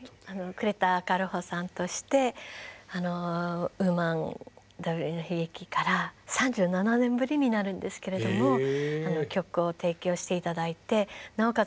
呉田軽穂さんとして「Ｗｏｍａｎ“Ｗの悲劇”より」から３７年ぶりになるんですけれども曲を提供して頂いてなおかつ